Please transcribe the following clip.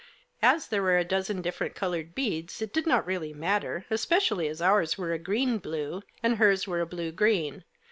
As there were a dozen different coloured beads it did not really matter, especially as ours were a green blue, and hers were a blue green.